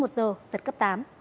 giật cấp tám